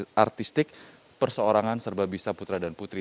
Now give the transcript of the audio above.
senam artistik perseorangan serba bisa putra dan putri